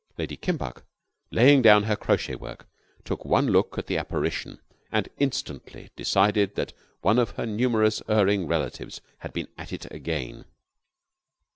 Lady Kimbuck, laying down her crochet work, took one look at the apparition, and instantly decided that one of her numerous erring relatives had been at it again.